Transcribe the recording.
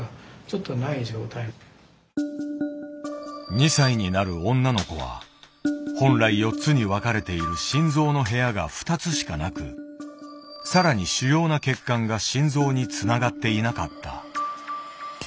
２歳になる女の子は本来４つに分かれている心臓の部屋が２つしかなく更に主要な血管が心臓につながっていなかった。